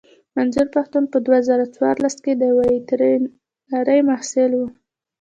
منظور پښتين په دوه زره څوارلسم کې د ويترنرۍ محصل و.